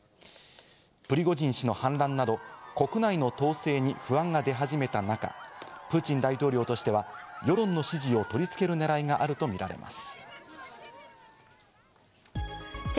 プリゴジン氏の反乱など国内の統制に不安が出始めた中、プーチン大統領としては世論の支持を取り付ける狙いがあると見られます。